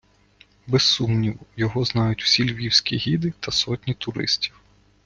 Без сумніву, його знають всі львівські гіди та сотні туристів.